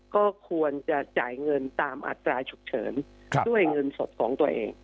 ก็ควรจะจ่ายเงินตามอัตราฉุกเฉินด้วยเงินสดของตัวเอง